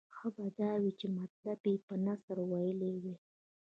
ښه به دا وای چې مطلب یې په نثر ویلی وای.